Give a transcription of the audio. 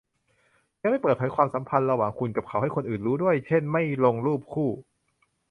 ยังไม่เปิดเผยความสัมพันธ์ระหว่างคุณกับเขาให้คนอื่นรู้ด้วย เช่น ไม่ลงรูปคู่